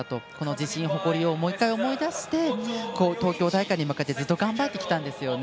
自信と誇りをもう１回思い出して東京大会に向けてずっと頑張ってきたんですよね。